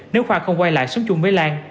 nếu khoa không quay lại sống chung với lan